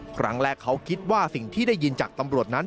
ครั้งแรกเขาคิดว่าสิ่งที่ได้ยินจากตำรวจนั้น